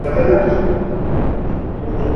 কিন্তু যদি আমরা না করি, তুমি মারা যাবে।